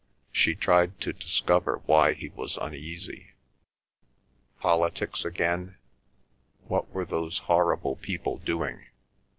She tried to discover why he was uneasy. Politics again? What were those horrid people doing?